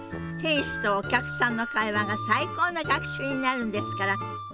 店主とお客さんの会話が最高の学習になるんですから。